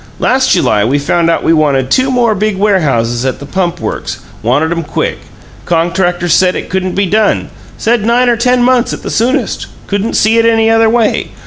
Last July we found out we wanted two more big warehouses at the Pump Works wanted 'em quick. Contractors said it couldn't be done; said nine or ten months at the soonest; couldn't see it any other way.